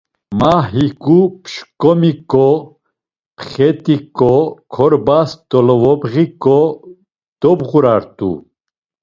Ma hiǩu pşǩomiǩo, pxet̆iǩo, korbas dolovobğiǩo dobğurat̆u.